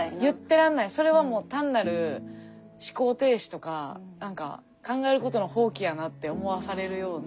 それはもう単なる思考停止とか考えることの放棄やなって思わされるような本であった気がしますね